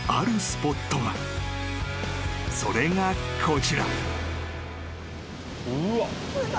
［それがこちら］